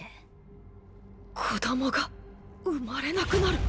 子供が生まれなくなる？